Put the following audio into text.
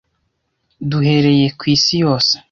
duhereye ku isi yose.